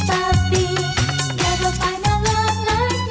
แกเท่าไหร่มารักแหละนี่แหละนั้น